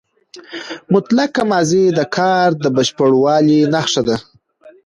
مطلقه ماضي د کار د بشپړوالي نخښه ده.